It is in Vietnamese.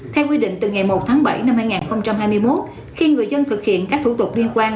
theo quy định từ ngày một tháng bảy năm hai nghìn hai mươi một khi người dân thực hiện các thủ tục liên quan